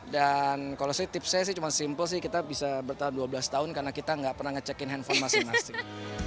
kalau sih tipsnya sih cuma simpel sih kita bisa bertahan dua belas tahun karena kita nggak pernah ngecekin handphone masing masing